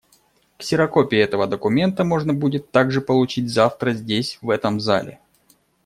Ксерокопии этого документа можно будет также получить завтра здесь, в этом зале.